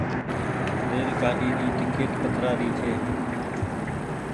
ريل گآڏي ري ٽيڪٽ ڪترآ ري ڇي۔